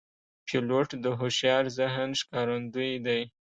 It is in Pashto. پیلوټ د هوښیار ذهن ښکارندوی دی.